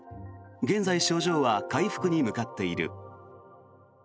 現在、症状は回復に向かっている。